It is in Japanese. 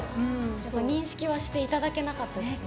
認識はしていただけなかったですね。